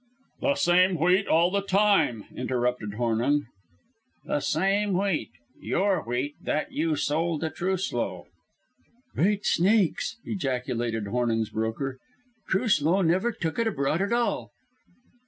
"The same wheat all the time!" interrupted Hornung. "The same wheat your wheat, that you sold to Truslow." "Great snakes!" ejaculated Hornung's broker. "Truslow never took it abroad at all."